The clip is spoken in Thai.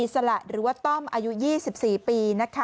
สละหรือว่าต้อมอายุ๒๔ปี